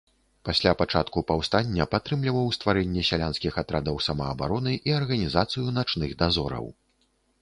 Пасля пачатку паўстання падтрымліваў стварэнне сялянскіх атрадаў самаабароны і арганізацыю начных дазораў.